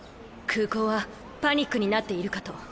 空港はパニックになっているかと。